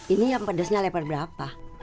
ini yang pedasnya level berapa